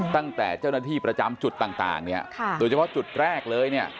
ตั้งแต่เจ้าหน้าที่ประจำจุดต่างเนี่ยโดยเฉพาะจุดแรกเลยเนี่ย